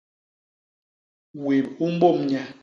Wip u mbôm nye.